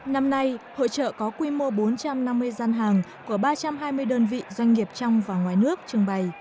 năm nay hội trợ có quy mô bốn trăm năm mươi gian hàng của ba trăm hai mươi đơn vị doanh nghiệp trong và ngoài nước trưng bày